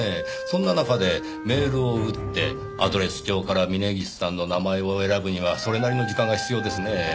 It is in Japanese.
そんな中でメールを打ってアドレス帳から峰岸さんの名前を選ぶにはそれなりの時間が必要ですねぇ。